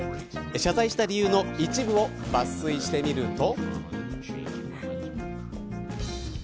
謝罪した理由の一部を抜粋してみると。